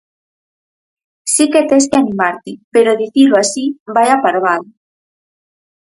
Si que tes que animarte, pero dicilo así, vaia parvada.